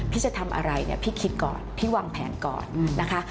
พี่จะทำอะไรพี่คิดก่อนพี่วางแผนก่อนนะคะ